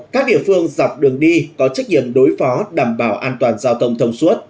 các địa phương dọc đường đi có trách nhiệm đối phó đảm bảo an toàn giao thông thông suốt